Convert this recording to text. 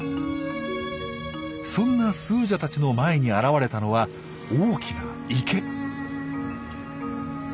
そんなスージャたちの前に現れたのは大きな池。